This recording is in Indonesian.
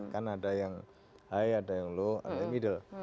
kan ada yang high ada yang low ada yang middle